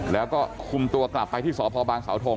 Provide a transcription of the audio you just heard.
แล้วก็คุมตัวกลับไปที่สพบางสาวทง